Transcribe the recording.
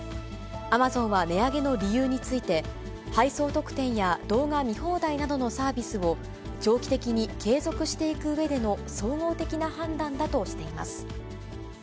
アマゾンは値上げの理由について、配送特典や動画見放題などのサービスを長期的に継続していくうえでの総合的な判断だとしています。